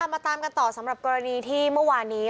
มาตามกันต่อที่เมื่อวานี้